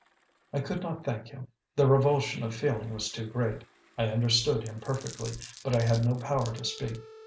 I could not thank him; the revulsion of feeling was too great. I understood him perfectly, but I had no power to speak.